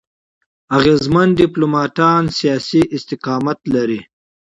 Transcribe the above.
اغېزمن ډيپلوماټان سیاسي استقامت لري.